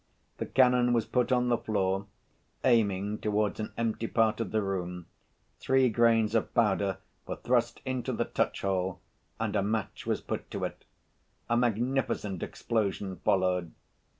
The cannon was put on the floor, aiming towards an empty part of the room, three grains of powder were thrust into the touch‐hole and a match was put to it. A magnificent explosion followed.